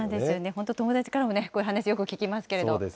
本当、友だちからもこういう話、よく聞きますけれども。